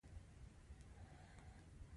هغوی له مالي پلوه هم د باور وړ دي